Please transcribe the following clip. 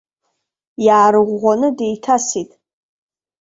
Иаарыӷәӷәаны деиҭасит.